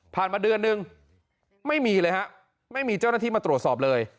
มาเดือนนึงไม่มีเลยฮะไม่มีเจ้าหน้าที่มาตรวจสอบเลย